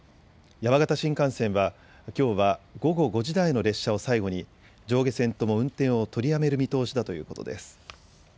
山形新幹線はきょうは午後５時台の列車を最後に上下線とも運転を取りやめる見通しだということです。